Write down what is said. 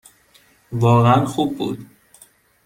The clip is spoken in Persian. واقعاً خوب بود.